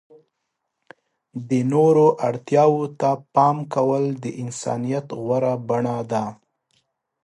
د نورو اړتیاوو ته پام کول د انسانیت غوره بڼه ده.